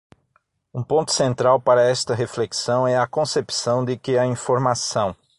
Um ponto central para esta reflexão é a concepção de que a informação